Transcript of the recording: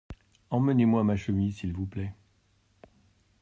Emmenez-moi ma chemise s’il vous plait.